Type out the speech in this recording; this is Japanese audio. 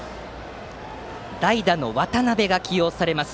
代打の渡邉が起用されます